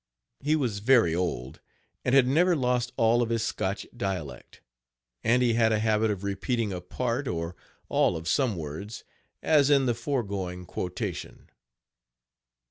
He was very old, and had never lost all of his Scotch dialect, and he had a habit of repeating a part or all of some words, as in the foregoing quotation.